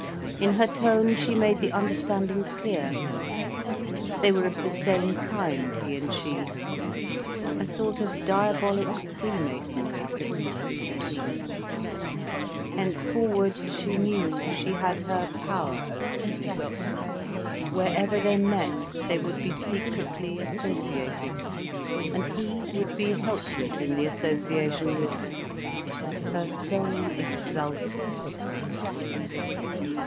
In her tone, she made the understanding clear—they were of the same kind, he and she, a sort of diabolic freemasonry subsisted between them. Henceforward, she knew, she had her power over him. Wherever they met, they would be secretly associated. And he would be helpless in the association with her. Her soul exulted.